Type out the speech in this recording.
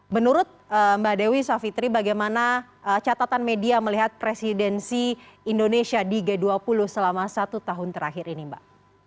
menurut mbak dewi savitri bagaimana catatan media melihat presidensi indonesia di g dua puluh selama satu tahun terakhir ini mbak